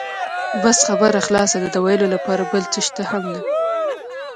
بس خبره خلاصه ده، د وېلو لپاره بل څه شته هم نه.